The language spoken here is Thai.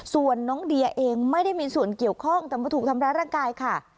ส่วนน้องเดียเองไม่ได้มีส่วนเกี่ยวข้องแต่มาถูกทำร้ายร่างกายค่ะ